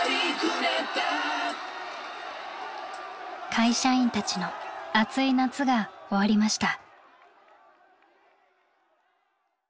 会社員たちの熱い夏が終わりました。